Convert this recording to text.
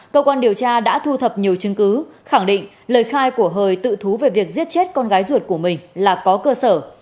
cơ quan điều tra đã thu thập nhiều chứng cứ khẳng định lời khai của hời tự thú về việc giết chết con gái ruột của mình là có cơ sở